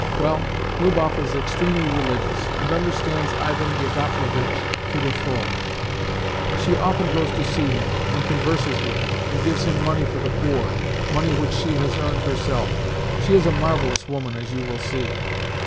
Well, Lubov is extremely religious, and understands Ivan Yakovlevitch to the full. She often goes to see him, and converses with him, and gives him money for the poor money which she has earned herself. She is a marvellous woman, as you will see.